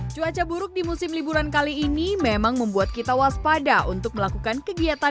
cuaca buruk di musim liburan kali ini memang membuat kita waspada untuk melakukan kegiatan